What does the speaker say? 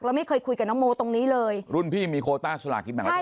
แล้วไม่เคยคุยกับน้องโมตรงนี้เลยรุ่นพี่มีโคต้าสลากินแบ่งรัฐบาล